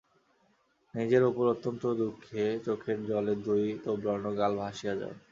নিজের উপর অত্যন্ত দুঃখে চোখের জলে দুই তোবড়ানো গাল ভাসিয়া যায়।